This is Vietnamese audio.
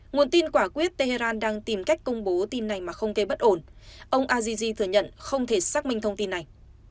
nguồn tin quả quyết tehran đang tìm cách công bố tin này mà không gây bất ổn ông aziji thừa nhận không thể xác minh thông tin này